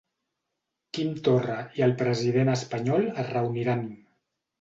Quim Torra i el president espanyol es reuniran